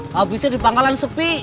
habisnya di pangkalan sepi